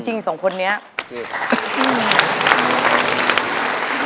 ยิ่งเสียใจ